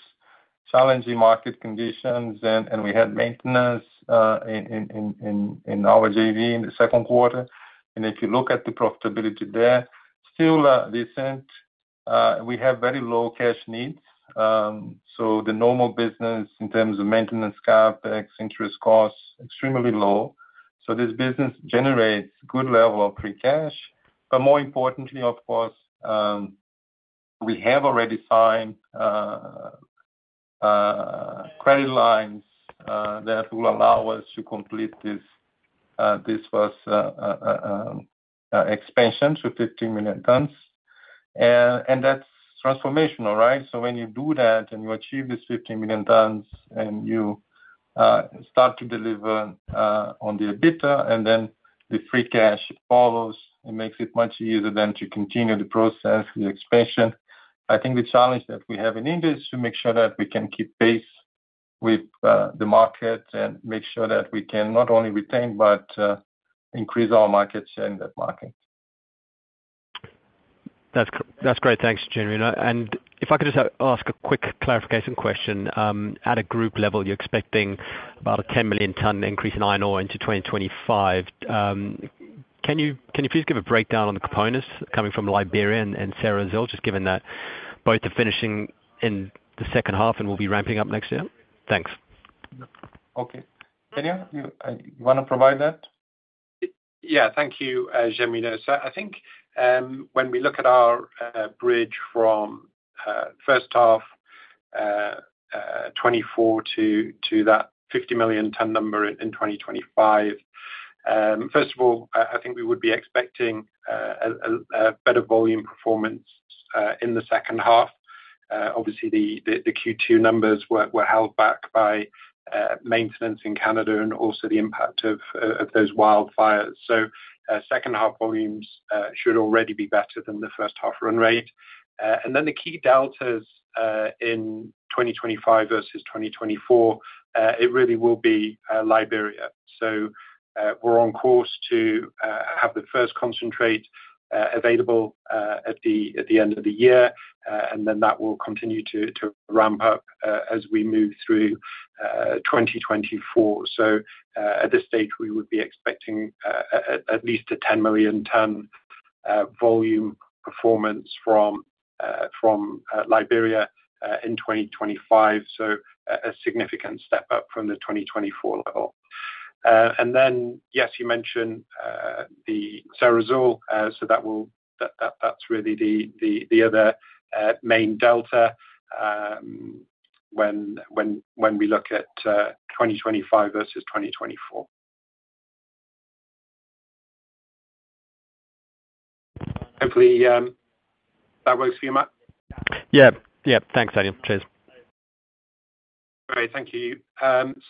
challenging market conditions, and we had maintenance in our JV in the second quarter, and if you look at the profitability there, still recently we have very low cash needs. So the normal business in terms of maintenance, CapEx, interest costs, extremely low. So this business generates good level of free cash. But more importantly, of course, we have already signed credit lines that will allow us to complete this first expansion to 15 million tons. And that's transformational, right? So when you do that, and you achieve this 15 million tons, and you start to deliver on the EBITDA, and then the free cash follows, it makes it much easier then to continue the process, the expansion. I think the challenge that we have in India is to make sure that we can keep pace with the market and make sure that we can not only retain, but increase our market share in that market. That's great. Thanks, Genuino. If I could just ask a quick clarification question. At a group level, you're expecting about a 10 million ton increase in iron ore in 2025. Can you please give a breakdown on the components coming from Liberia and Serra Azul, just given that both are finishing in the second half and will be ramping up next year? Thanks. Okay. Daniel, you, you wanna provide that? Yeah. Thank you, Genuino. So I think, when we look at our bridge from first half 2024 to that 50 million ton number in 2025, first of all, I think we would be expecting a better volume performance in the second half. Obviously the Q2 numbers were held back by maintenance in Canada and also the impact of those wildfires. So, second half volumes should already be better than the first half run rate. And then the key deltas in 2025 versus 2024, it really will be Liberia. So, we're on course to have the first concentrate available at the end of the year. And then that will continue to ramp up as we move through 2024. So, at this stage, we would be expecting at least a 10-million-ton volume performance from Liberia in 2025. So a significant step up from the 2024 level. And then, yes, you mentioned the Serra Azul. So that will... That's really the other main delta when we look at 2025 versus 2024. Hopefully, that works for you, Matt? Yeah. Yeah. Thanks, Daniel. Cheers. Great. Thank you.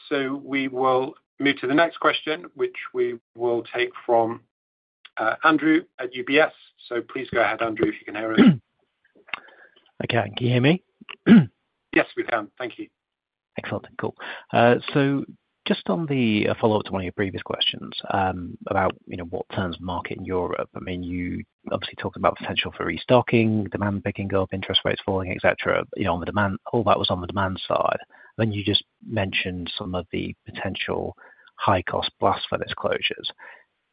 So we will move to the next question, which we will take from Andrew at UBS. So please go ahead, Andrew, if you can hear us. Okay. Can you hear me? Yes, we can. Thank you. Excellent. Cool. So just on the follow-up to one of your previous questions, about, you know, what turns market in Europe, I mean, you obviously talked about potential for restocking, demand picking up, interest rates falling, et cetera, you know, on the demand, all that was on the demand side, then you just mentioned some of the potential high cost blast furnace closures.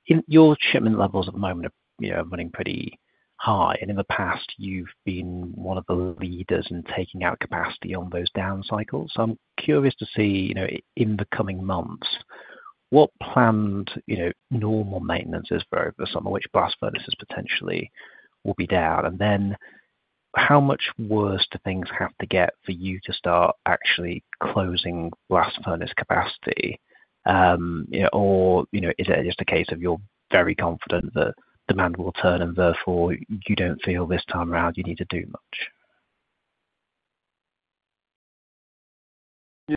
In your shipment levels at the moment are, you know, running pretty high, and in the past, you've been one of the leaders in taking out capacity on those down cycles. So I'm curious to see, you know, in the coming months, what planned, you know, normal maintenance is for over the summer, which blast furnaces potentially will be down? And then, how much worse do things have to get for you to start actually closing blast furnace capacity? You know, or, you know, is it just a case of you're very confident that demand will turn and therefore you don't feel this time around, you need to do much?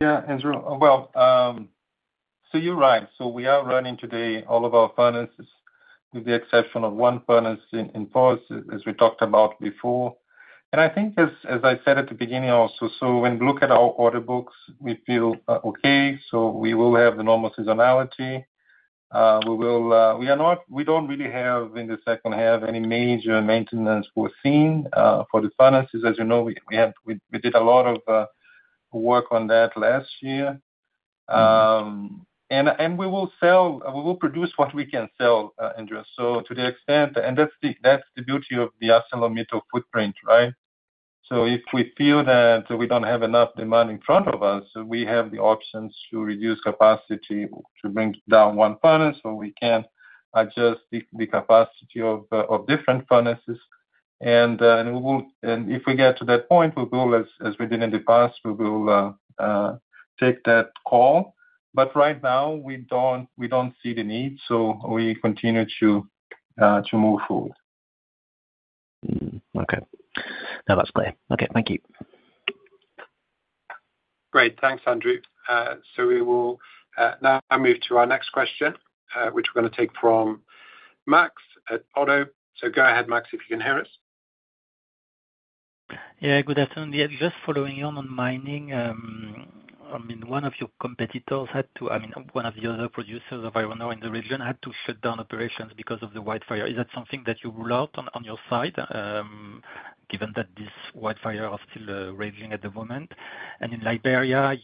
Yeah, Andrew. Well, so you're right. So we are running today all of our furnaces, with the exception of one furnace in pause, as we talked about before. And I think as I said at the beginning also, so when we look at our order books, we feel okay, so we will have the normal seasonality. We will, we are not—we don't really have, in the second half, any major maintenance foreseen, for the furnaces. As you know, we have, we did a lot of work on that last year. And we will produce what we can sell, Andrew. So to the extent, and that's the beauty of the ArcelorMittal footprint, right? So if we feel that we don't have enough demand in front of us, we have the options to reduce capacity, to bring down one furnace, or we can adjust the capacity of different furnaces. And we will -- and if we get to that point, we will, as we did in the past, we will take that call. But right now, we don't see the need, so we continue to move forward. Mm-hmm. Okay. Now, that's clear. Okay, thank you. Great. Thanks, Andrew. We will now move to our next question, which we're gonna take from Max at Oddo. So go ahead, Max, if you can hear us. Yeah, good afternoon. Yeah, just following on, on mining, I mean, one of your competitors had to, I mean, one of the other producers of iron ore in the region had to shut down operations because of the wildfire. Is that something that you rule out on, on your side, given that this wildfire are still raging at the moment? And in Liberia,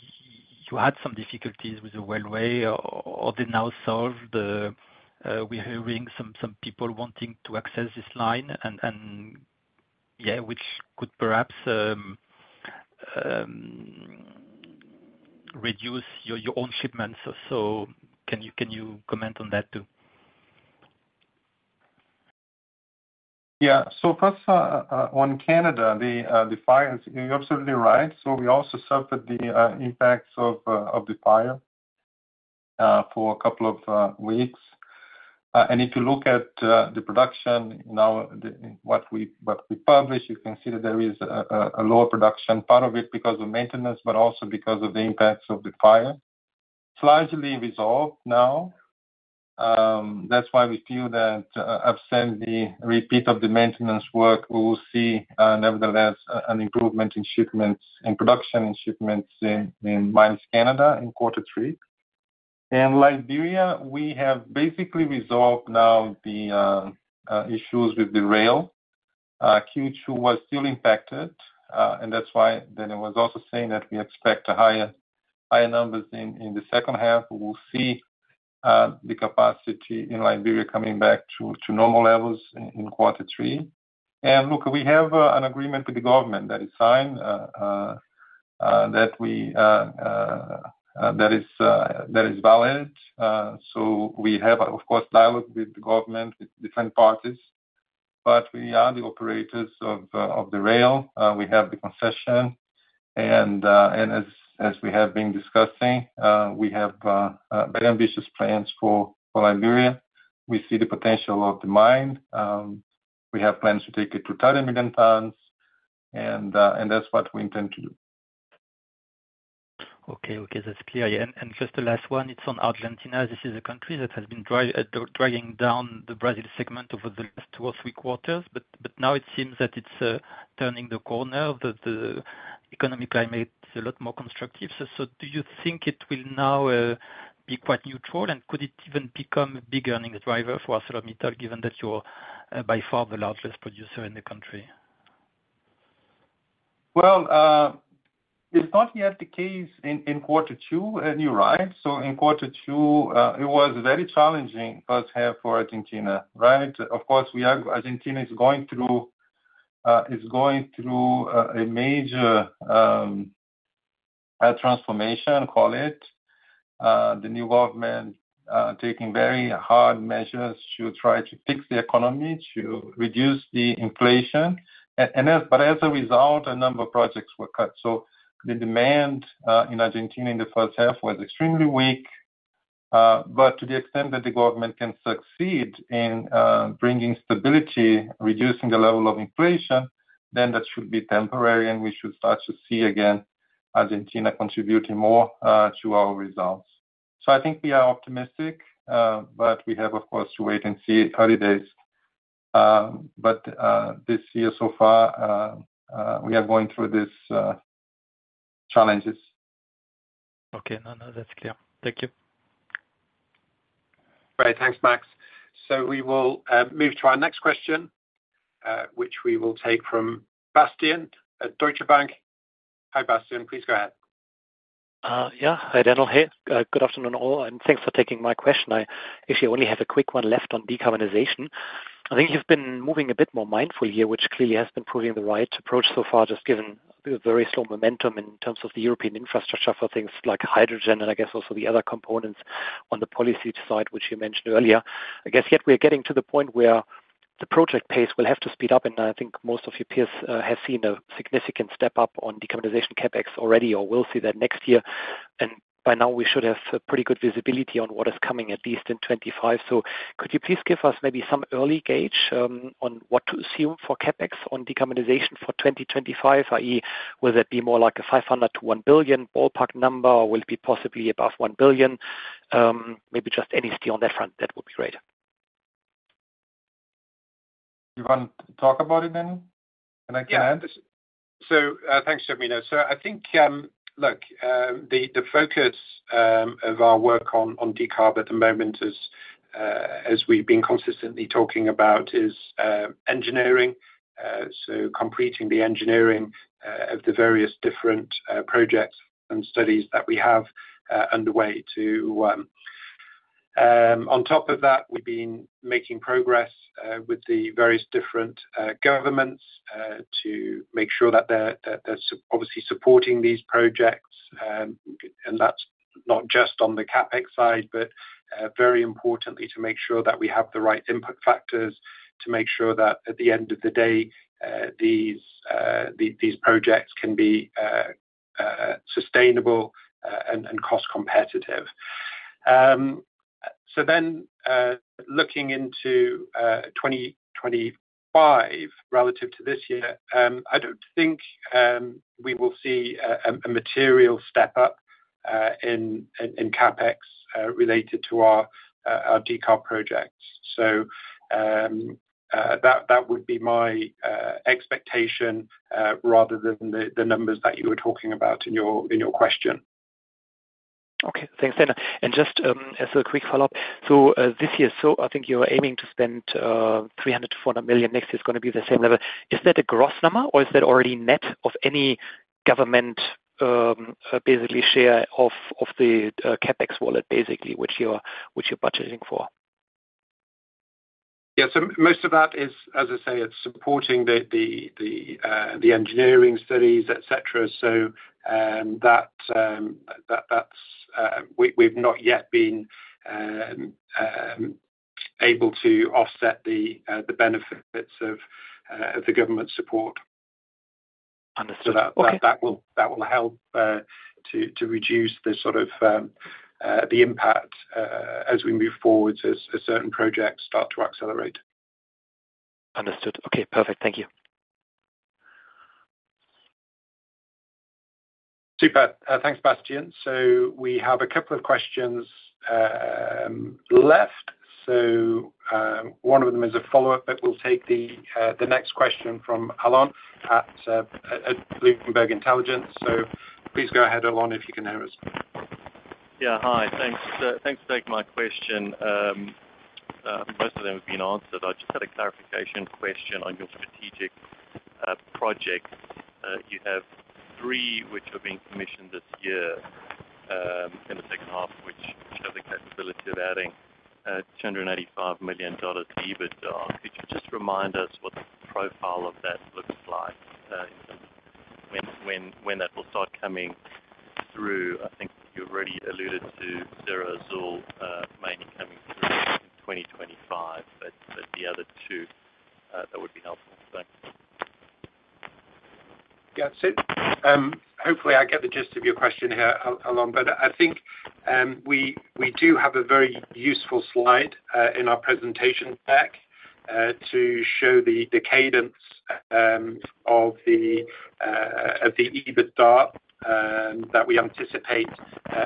you had some difficulties with the railway, or, or they now solved, we're hearing some, some people wanting to access this line and, and yeah, which could perhaps reduce your, your own shipments. So can you, can you comment on that too? Yeah. So first, on Canada, the fires, you're absolutely right. So we also suffered the impacts of the fire for a couple of weeks. And if you look at the production now, what we publish, you can see that there is a lower production, part of it because of maintenance, but also because of the impacts of the fire. Slightly resolved now. That's why we feel that, absent the repeat of the maintenance work, we will see nevertheless an improvement in shipments, in production and shipments in Mines Canada in quarter three. In Liberia, we have basically resolved now the issues with the rail. Q2 was still impacted, and that's why then I was also saying that we expect higher, higher numbers in the second half. We will see the capacity in Liberia coming back to normal levels in quarter three. And look, we have an agreement with the government that is signed, that we, that is, that is valid. So we have, of course, dialogue with the government, with different parties, but we are the operators of the rail. We have the concession. And, and as we have been discussing, we have very ambitious plans for Liberia. We see the potential of the mine. We have plans to take it to 30 million tons, and that's what we intend to do. Okay. Okay, that's clear. And just the last one, it's on Argentina. This is a country that has been dragging down the Brazil segment over the last two or three quarters, but now it seems that it's turning the corner, that the economic climate is a lot more constructive. So do you think it will now be quite neutral, and could it even become a big earning driver for ArcelorMittal, given that you're by far the largest producer in the country? Well, it's not yet the case in quarter two, and you're right. So in quarter two, it was very challenging first half for Argentina, right? Of course, Argentina is going through a major transformation, call it. The new government taking very hard measures to try to fix the economy, to reduce the inflation. But as a result, a number of projects were cut. So the demand in Argentina in the first half was extremely weak. But to the extent that the government can succeed in bringing stability, reducing the level of inflation, then that should be temporary, and we should start to see again, Argentina contributing more to our results. So I think we are optimistic, but we have, of course, to wait and see 30 days. But, this year so far, we are going through these challenges. Okay. No, no, that's clear. Thank you. Great. Thanks, Max. So we will move to our next question, which we will take from Bastian at Deutsche Bank. Hi, Bastian, please go ahead. Yeah. Hi, Daniel. Hey, good afternoon, all, and thanks for taking my question. I actually only have a quick one left on decarbonization. I think you've been moving a bit more mindful here, which clearly has been proving the right approach so far, just given the very slow momentum in terms of the European infrastructure for things like hydrogen and I guess also the other components on the policy side, which you mentioned earlier. I guess yet we are getting to the point where the project pace will have to speed up, and I think most of your peers have seen a significant step up on decarbonization CapEx already or will see that next year. By now, we should have a pretty good visibility on what is coming, at least in 2025. So could you please give us maybe some early gauge on what to assume for CapEx on decarbonization for 2025? i.e., will it be more like a $500 million-$1 billion ballpark number, or will it be possibly above $1 billion? Maybe just any view on that front, that would be great. You want to talk about it then? And I can add. Yeah. So, thanks, Genuino. So I think, look, the focus of our work on decarb at the moment is, as we've been consistently talking about, is engineering. So completing the engineering of the various different projects and studies that we have underway to... On top of that, we've been making progress with the various different governments to make sure that they're obviously supporting these projects. And that's not just on the CapEx side, but very importantly, to make sure that we have the right input factors, to make sure that at the end of the day, these projects can be sustainable and cost competitive. So then, looking into 2025, relative to this year, I don't think we will see a material step up in CapEx related to our decarb projects. So, that would be my expectation rather than the numbers that you were talking about in your question. Okay, thanks then. And just, as a quick follow-up, so, this year, so I think you are aiming to spend $300 million-$400 million. Next year is gonna be the same level. Is that a gross number, or is that already net of any government, basically share of the CapEx wallet, basically, which you're budgeting for? Yeah, so most of that is, as I say, it's supporting the engineering studies, et cetera. So, that's, we've not yet been able to offset the benefits of the government support. Understood. So that will help to reduce the sort of the impact as we move forward, as certain projects start to accelerate. Understood. Okay, perfect. Thank you. Super. Thanks, Bastian. So we have a couple of questions left. So, one of them is a follow-up, but we'll take the next question from Alon at Bloomberg Intelligence. So please go ahead, Alon, if you can hear us. Yeah. Hi. Thanks. Thanks for taking my question. Most of them have been answered. I just had a clarification question on your strategic projects. You have 3 which are being commissioned this year, in the second half, which have the capability of adding $285 million EBITDA. Could you just remind us what the profile of that looks like, when that will start coming through? I think you already alluded to Serra Azul, mainly coming through in 2025, but the other two, that would be helpful. Thanks. Yeah, so, hopefully I get the gist of your question here, Alon, but I think, we do have a very useful slide in our presentation deck to show the cadence of the EBITDA that we anticipate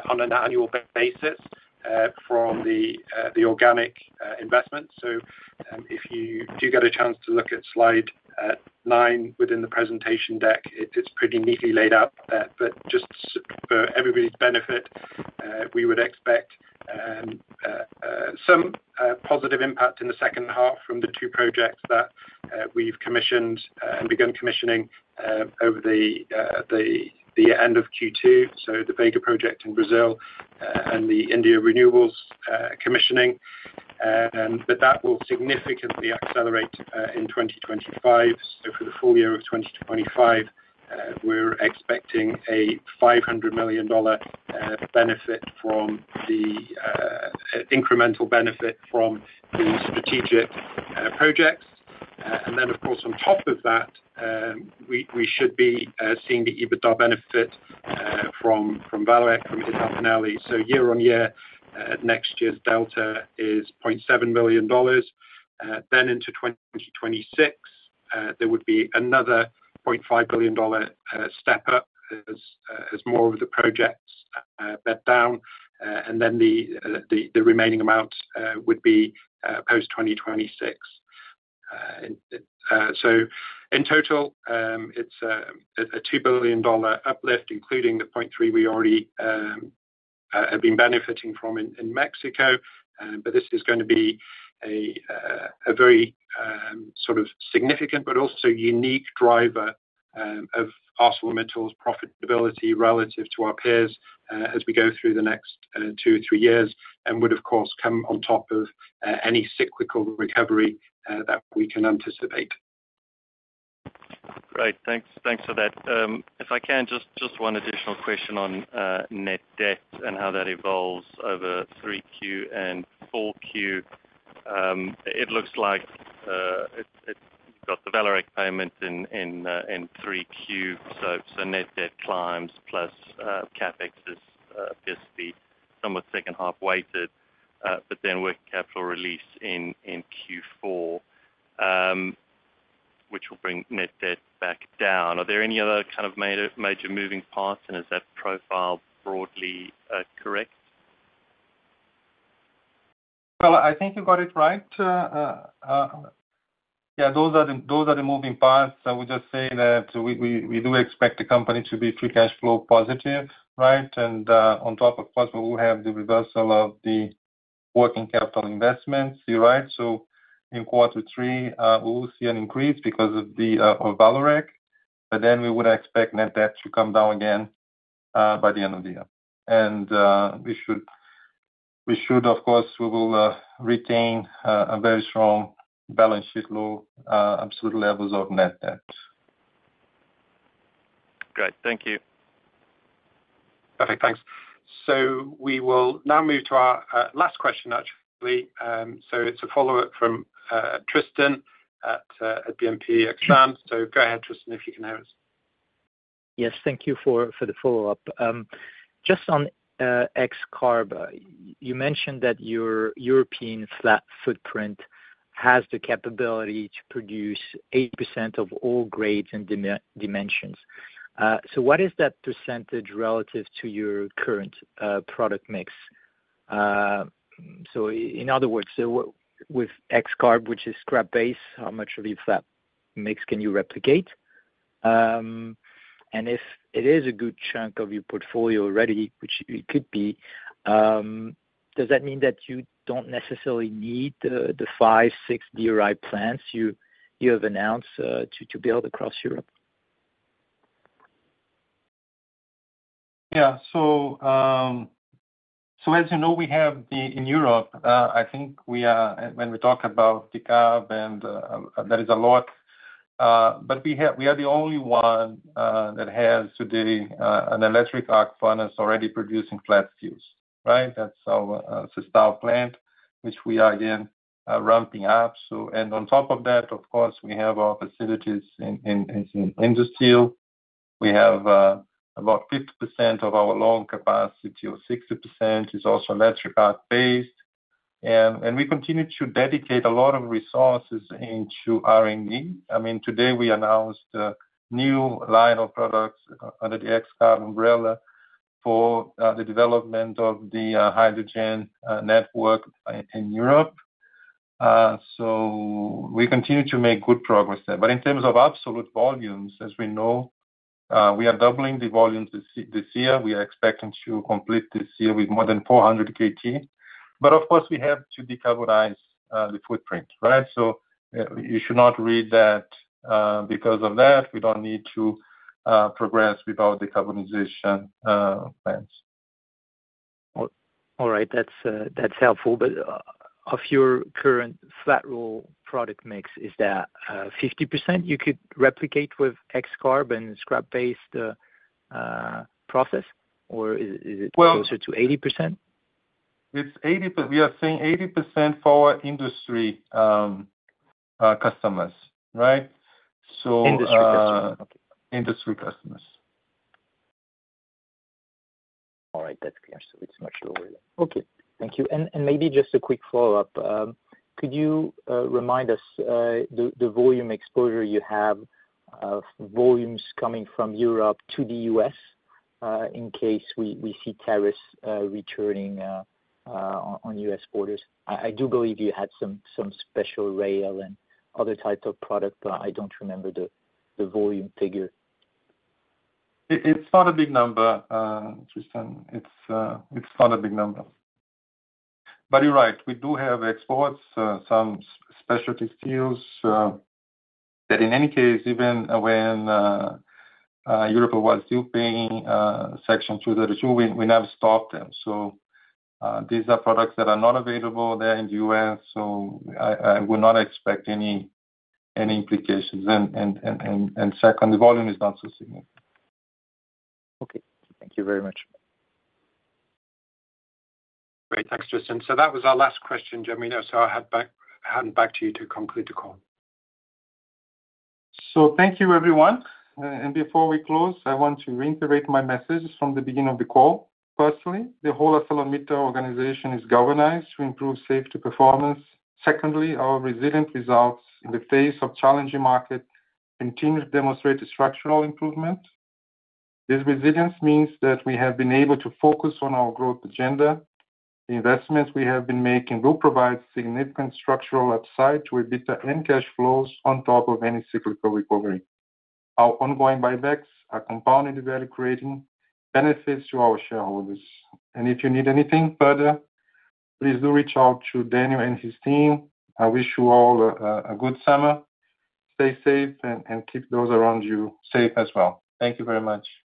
on an annual basis from the organic investment. So, if you do get a chance to look at slide nine within the presentation deck, it's pretty neatly laid out. But just for everybody's benefit, we would expect some positive impact in the second half from the two projects that we've commissioned and begun commissioning over the end of Q2. So the Vega project in Brazil and the India Renewables commissioning. But that will significantly accelerate in 2025. So for the full year of 2025, we're expecting a $500 million benefit from the incremental benefit from the strategic projects. And then of course, on top of that, we should be seeing the EBITDA benefit from VAMA, from Vega finally. So year-on-year, next year's delta is $0.7 billion. Then into 2026, there would be another $0.5 billion step up, as more of the projects bed down. And then the remaining amounts would be post 2026. And so in total, it's a $2 billion uplift, including the $0.3 billion we already have been benefiting from in Mexico. But this is going to be a very sort of significant but also unique driver of ArcelorMittal's profitability relative to our peers as we go through the next two or three years. And would, of course, come on top of any cyclical recovery that we can anticipate. Great, thanks. Thanks for that. If I can, just one additional question on net debt and how that evolves over 3Q and 4Q. It looks like the Vallourec payment in 3Q, so net debt climbs plus CapEx is obviously somewhat second half weighted, but then working capital release in Q4, which will bring net debt back down. Are there any other kind of major moving parts, and is that profile broadly correct? Well, I think you got it right. Yeah, those are the moving parts. I would just say that we do expect the company to be free cash flow positive, right? And on top of plus, we will have the reversal of the working capital investments. You're right, so in quarter three, we will see an increase because of Vallourec, but then we would expect net debt to come down again by the end of the year. And we should, of course, retain a very strong balance sheet, low absolute levels of net debt. Great. Thank you. Perfect. Thanks. So we will now move to our last question, actually. So it's a follow-up from Tristan at BNP Exane. So go ahead, Tristan, if you can hear us. Yes, thank you for the follow-up. Just on XCarb, you mentioned that your European flat footprint has the capability to produce 80% of all grades and dimensions. So what is that percentage relative to your current product mix? So in other words, with XCarb, which is scrap-based, how much of your flat mix can you replicate? And if it is a good chunk of your portfolio already, which it could be, does that mean that you don't necessarily need the 5, 6 DRI plants you have announced to build across Europe? Yeah. So, as you know, we have the-- in Europe, I think we are, when we talk about the CBAM, and that is a lot, but we have-- we are the only one that has today an electric arc furnace already producing flat steels, right? That's our Sestao plant, which we are again ramping up. So, and on top of that, of course, we have our facilities in Asturias. We have about 50% of our long capacity or 60% is also electric arc-based. And we continue to dedicate a lot of resources into R&D. I mean, today we announced a new line of products under the XCarb umbrella for the development of the hydrogen network in Europe. So we continue to make good progress there. But in terms of absolute volumes, as we know, we are doubling the volumes this, this year. We are expecting to complete this year with more than 400 KT. But of course, we have to decarbonize the footprint, right? So, you should not read that because of that, we don't need to progress with our decarbonization plans. All right. That's helpful. But of your current flat roll product mix, is that 50% you could replicate with XCarb and scrap-based process, or is it- Well- closer to 80%? It's 80%. We are saying 80% for our industry, customers, right? So, Industry customers. Industry customers. All right. That's clear, so it's much lower. Okay, thank you. And maybe just a quick follow-up. Could you remind us the volume exposure you have of volumes coming from Europe to the U.S., in case we see tariffs returning on U.S. borders? I do believe you had some special rail and other types of product, but I don't remember the volume figure. It's not a big number, Tristan. It's not a big number. But you're right, we do have exports, some specialty steels, that in any case, even when Europe was still paying Section 232, we never stopped them. So, these are products that are not available there in the U.S., so I would not expect any implications. And second, the volume is not so significant. Okay. Thank you very much. Great. Thanks, Tristan. So that was our last question, Genuino, so I'll hand back to you to conclude the call. So thank you, everyone. And before we close, I want to reiterate my message from the beginning of the call. Firstly, the whole ArcelorMittal organization is galvanized to improve safety performance. Secondly, our resilient results in the face of challenging market continue to demonstrate a structural improvement. This resilience means that we have been able to focus on our growth agenda. The investments we have been making will provide significant structural upside to EBITDA and cash flows on top of any cyclical recovery. Our ongoing buybacks are compounding value, creating benefits to our shareholders. And if you need anything further, please do reach out to Daniel and his team. I wish you all a good summer. Stay safe and keep those around you safe as well. Thank you very much.